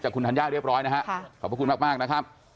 คุณธัญญาเรียบร้อยนะฮะขอบพระคุณมากนะครับ